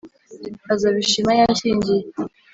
azabishima yashyingiye